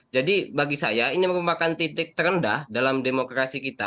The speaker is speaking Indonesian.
jadi bagi saya ini merupakan titik terendah dalam demokrasi kita